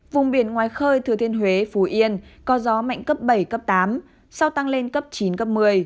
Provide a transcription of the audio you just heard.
vùng biển ngoài khơi thừa thiên huế phú yên có gió mạnh cấp bảy cấp tám sau tăng lên cấp chín cấp một mươi